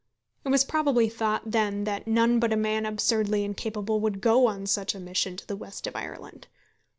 It was probably thought then that none but a man absurdly incapable would go on such a mission to the west of Ireland.